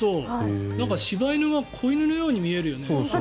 柴犬が子犬みたいに見えるよね。